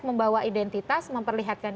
membawa identitas memperlihatkan